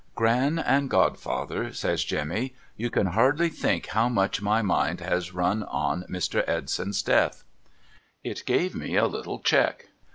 ' Gran and godfather,' says Jenuny, ' you can hardly think how much my mind has run on Mr, Edson's death.' It gave me a little check.